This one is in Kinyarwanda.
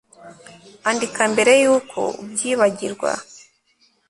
Andika mbere yuko ubyibagirwa